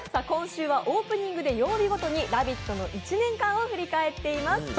今週はオープニングで曜日ごとに「ラヴィット！」の１年間を振り返っています。